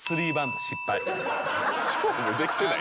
勝負できてない。